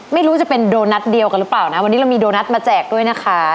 ไม่รู้จะเป็นโดนัทเดียวกันหรือเปล่านะวันนี้เรามีโดนัทมาแจกด้วยนะคะ